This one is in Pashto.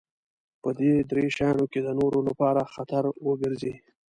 په دې درې شيانو کې د نورو لپاره خطر وګرځي.